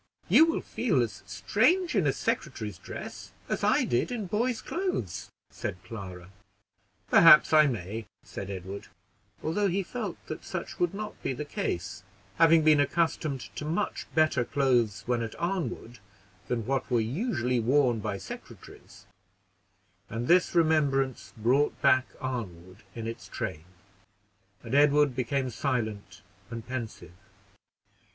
"You will feel as strange in a secretary's dress as I did in boys' clothes," said Clara. "Perhaps I may," said Edward, although he felt that such would not be the case, having been accustomed to much better clothes when at Arnwood than what were usually worn by secretaries; and this remembrance brought back Arnwood in its train, and Edward became silent and pensive.